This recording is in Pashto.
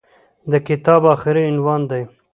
د کتاب اخري عنوان دى.